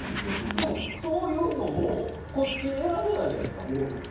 でも、そういうのもこっちは選べないじゃないですか。